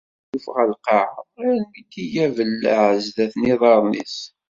Yessusuf ɣer lqaɛa armi d-iga abellaɛ zdat n yiḍarren-is